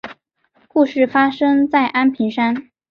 故事发生在安平山。